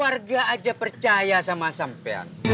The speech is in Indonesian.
warga aja percaya sama sampean